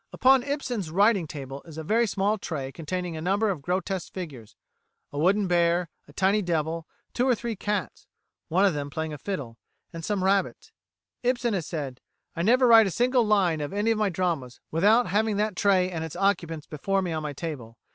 Upon Ibsen's writing table is a small tray containing a number of grotesque figures a wooden bear, a tiny devil, two or three cats (one of them playing a fiddle), and some rabbits. Ibsen has said: "I never write a single line of any of my dramas without having that tray and its occupants before me on my table.